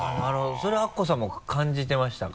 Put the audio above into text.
それはアッコさんも感じてましたか？